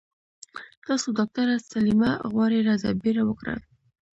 تاسو ډاکټره سليمه غواړي راځه بيړه وکړه.